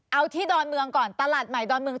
เอาที่ดอนเมืองก่อนตลาดใหม่ดอนเมือง